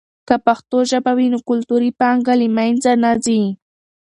که پښتو ژبه وي، نو کلتوري پانګه له منځه نه ځي.